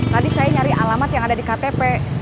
tadi saya nyari alamat yang ada di ktp